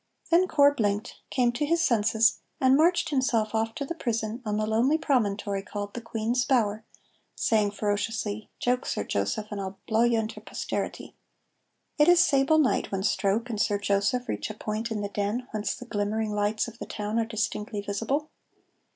Then Corp blinked, came to his senses and marched himself off to the prison on the lonely promontory called the Queen's Bower, saying ferociously, "Jouk, Sir Joseph, and I'll blaw you into posterity." It is sable night when Stroke and Sir Joseph reach a point in the Den whence the glimmering lights of the town are distinctly visible.